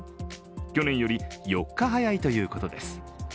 去年より４日早いということです。